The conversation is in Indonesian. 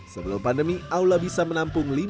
sebelum pandemi aula bisa menampung lima ratus orang di sini